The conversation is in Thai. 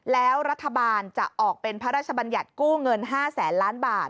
แล้วรัฐบาลจะออกเป็นพระราชบัญญัติกู้เงิน๕แสนล้านบาท